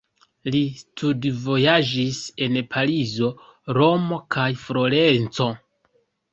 Li studvojaĝis en Parizo, Romo kaj Florenco.